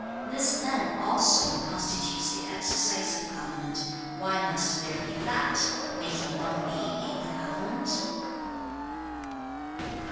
This then also constitutes the exercise of government. Why must there be THAT making one be in the government?'